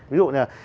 ví dụ là